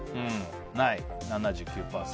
ない、７９％。